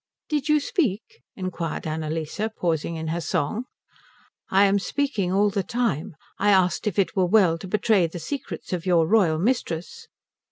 "Did you speak?" inquired Annalise, pausing in her song. "I am speaking all the time. I asked if it were well to betray the secrets of your royal mistress."